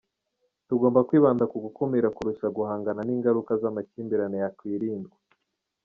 Tugomba kwibanda ku gukumira kurusha guhangana n’ingaruka z’amakimbirane yakwirindwa .